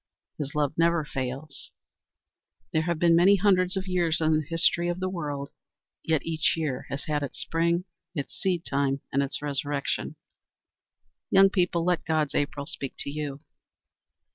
His love never fails. There have been many hundreds of years in the history of the world, yet each year has had its spring, its seedtime, and its Resurrection. Young people, let God's April speak to you.